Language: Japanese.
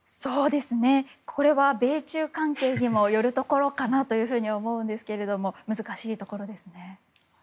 これは米中関係にもよるところかなと思うんですけども難しいところですね。